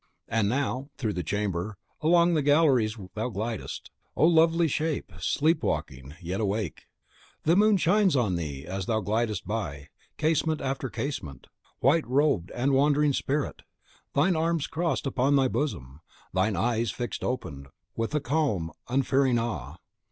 And now, through the chamber, along the galleries thou glidest, O lovely shape! sleep walking, yet awake. The moon shines on thee as thou glidest by, casement after casement, white robed and wandering spirit! thine arms crossed upon thy bosom, thine eyes fixed and open, with a calm unfearing awe.